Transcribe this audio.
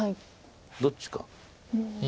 どっちか。